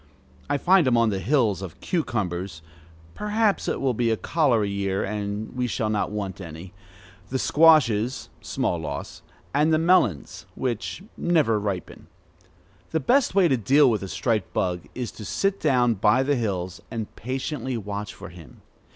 I find him on the hills of cucumbers (perhaps it will be a cholera year, and we shall not want any), the squashes (small loss), and the melons (which never ripen). The best way to deal with the striped bug is to sit down by the hills, and patiently watch for him.